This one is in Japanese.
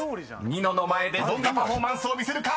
ニノの前でどんなパフォーマンスを見せるか⁉］